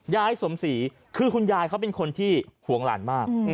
ยายสมศรีคือคุณยายเขาเป็นคนที่ห่วงหลานมาก